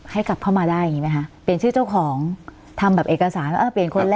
กลับเข้ามาได้อย่างงี้ไหมคะเปลี่ยนชื่อเจ้าของทำแบบเอกสารว่าเปลี่ยนคนแล้ว